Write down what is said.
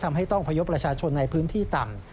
ทำให้ต้องพยพประชาชนในพื้นที่ต่ำ